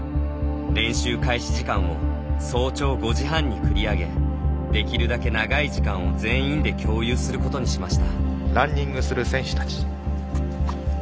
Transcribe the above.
練習開始時間を早朝５時半に繰り上げできるだけ長い時間を全員で共有することにしました。